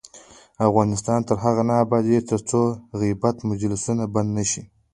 افغانستان تر هغو نه ابادیږي، ترڅو د غیبت مجلسونه بند نشي.